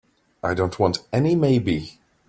I don't want any maybe.